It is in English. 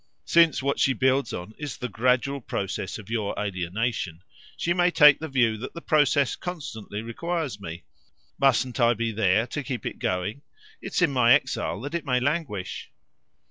"Since what she builds on is the gradual process of your alienation, she may take the view that the process constantly requires me. Mustn't I be there to keep it going? It's in my exile that it may languish."